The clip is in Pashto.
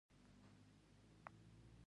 ایا زه باید د غوږ عملیات وکړم؟